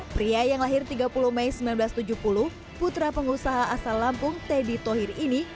pria yang lahir tiga puluh mei seribu sembilan ratus tujuh puluh putra pengusaha asal lampung teddy thohir ini